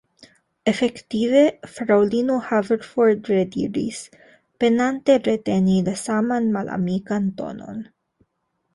Efektive? fraŭlino Haverford rediris, penante reteni la saman malamikan tonon.